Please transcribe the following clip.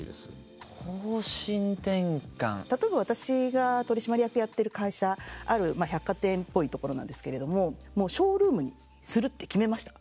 例えば私が取締役やってる会社ある百貨店っぽいところなんですけれどもショールームにするって決めました。